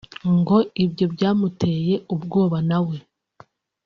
ngo ibyo byamuteye ubwoba na we